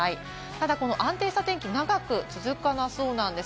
ただ、この安定した天気は長く続かなそうなんです。